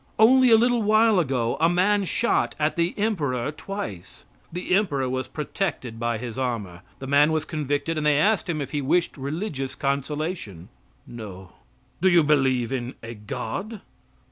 Only a little while ago a man shot at the emperor twice. The emperor was protected by his armor. The man was convicted, and they asked him if he wished religious consolation. "No." "Do you believe in a God?"